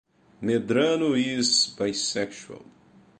Medrano is bisexual.